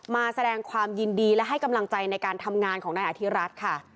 มาแสดงความยินดีและให้กำลังใจในการทำงานของนายอธิรัตน์ค่ะ